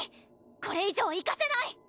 これ以上行かせない！